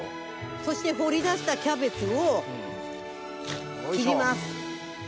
そして掘り出したキャベツを切ります。